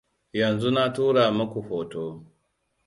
yanzu na tura maku hoto